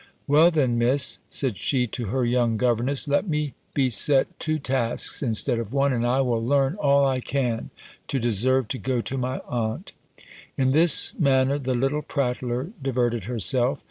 "Well then, Miss," said she to her young governess, "let me be set two tasks instead of one, and I will learn all I can to deserve to go to my aunt." In this manner the little prattler diverted herself.